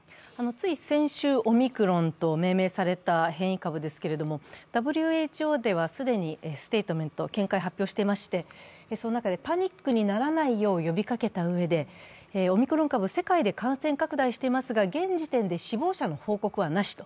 つい先週、オミクロンと命名された変異株ですけれども、ＷＨＯでは既にステートメント、見解を発表していまして、その中でパニックにならないよう呼びかけたうえでオミクロン株、世界で感染拡大していますが、現時点で死亡者の報告はなしと。